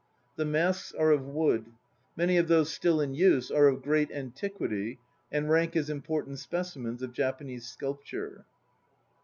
The masks are of wood. Many of those still in use are of great antiquity and rank as important specimens of Japanese sculp ture.